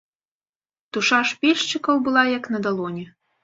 Душа ж пільшчыкаў была як на далоні.